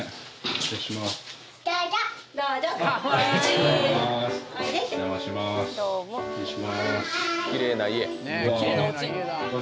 失礼しますうわ